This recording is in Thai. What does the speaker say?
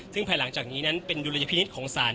ซึ่งภายหลังจากนี้นั้นเป็นดุลยพินิษฐ์ของศาล